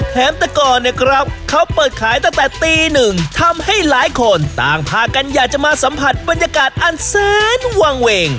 แถมแต่ก่อนเนี่ยครับเขาเปิดขายตั้งแต่ตีหนึ่งทำให้หลายคนต่างพากันอยากจะมาสัมผัสบรรยากาศอันแสนวางเวง